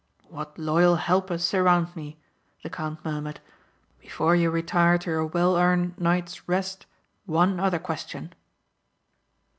"What loyal helpers surround me," the count murmured. "Before you retire to your well earned night's rest one other question."